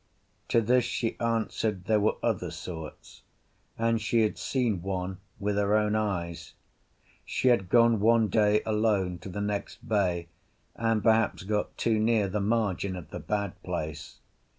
To this she answered there were other sorts, and she had seen one with her own eyes. She had gone one day alone to the next bay, and, perhaps, got too near the margin of the bad place.